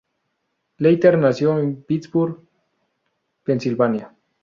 Leiter nació en Pittsburgh, Pennsylvania.